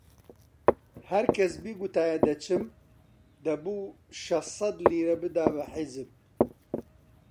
هەر کەس بیگوتایە دەچم، دەبوو شەشسەد لیرە بدا بە حیزب